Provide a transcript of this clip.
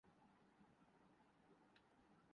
افراط زر ایکدم کنٹرول نہیں ہوگا۔